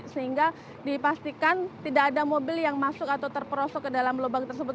sehingga dipastikan tidak ada mobil yang masuk atau terperosok ke dalam lubang tersebut